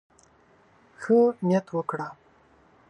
ښه نيت وکړه.